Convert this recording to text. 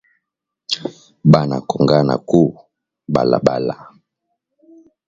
Bana kongana ku balabala